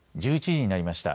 １１時になりました。